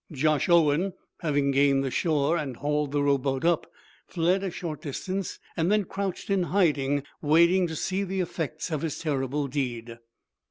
Josh Owen, having gained the shore and hauled the rowboat up, fled a short distance, then crouched in hiding, waiting to see the effects of his terrible deed.